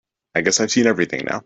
I guess I've seen everything now.